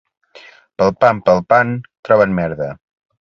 Palpant, palpant, troben merda.